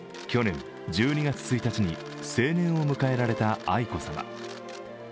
去年１２月１日に成年を迎えられた愛子さま。